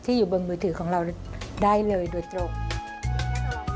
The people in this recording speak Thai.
อยู่บนมือถือของเราได้เลยโดยตรง